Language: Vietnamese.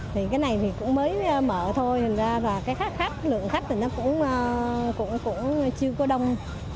thì cái này thì cũng mới mở thôi và cái khách lượng khách thì nó cũng chưa có đông